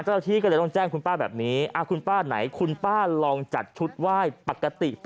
เจ้าหน้าที่ก็เลยต้องแจ้งคุณป้าแบบนี้คุณป้าไหนคุณป้าลองจัดชุดไหว้ปกติ